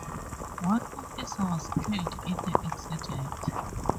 One officer was killed in the accident.